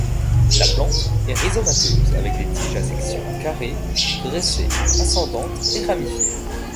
La plante est rhizomateuse, avec des tiges à section carrée, dressées-ascendantes et ramifiées.